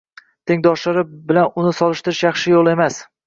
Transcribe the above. tengdoshlari bilan uni solishtirish yaxshi yo‘l emas.